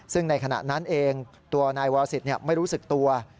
ซึ่งในขณะนั้นเองตัวนายวาสิตไม่รู้สึกตัว